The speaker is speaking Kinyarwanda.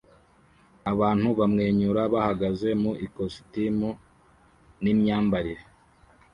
abantu bamwenyura bahagaze mu ikositimu n'imyambarire